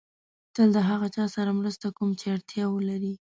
تل د هغه چا سره مرسته کوم چې اړتیا ولري.